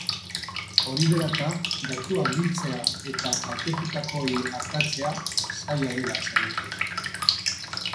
Hori dela eta, datuak biltzea eta kaltetutakoei artatzea zaila dela esan dute.